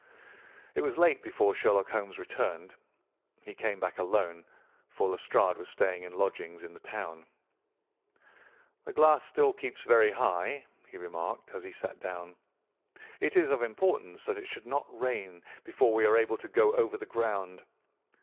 It was late before Sherlock Holmes returned. He came back alone, for Lestrade was staying in lodgings in the town. "The glass still keeps very high," he remarked as he sat down. "It is of importance that it should not rain before we are able to go over the ground.